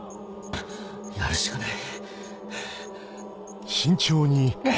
やるしかない。